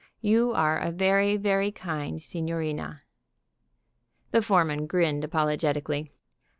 You are a very, very kind signorina." The foreman grinned apologetically.